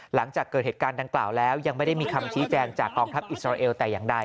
หลังจากเกิดเหตุการณ์ดังกล่าวแล้วยังไม่ได้มีคำชี้แจงจากกองทัพอิสราเอลแต่อย่างใด